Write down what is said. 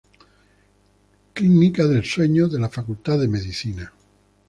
Clínica del Sueño de la Facultad de Medicina.